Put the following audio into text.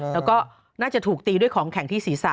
แล้วก็น่าจะถูกตีด้วยของแข็งที่ศีรษะ